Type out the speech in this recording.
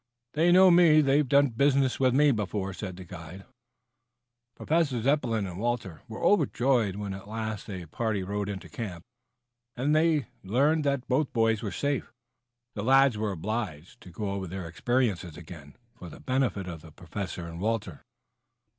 They know me. They've done business with me before." Professor Zepplin and Walter were overjoyed when at last the party rode into camp and they learned that both boys were safe. The lads were obliged to go all over their experiences again for the benefit of the Professor and Walter.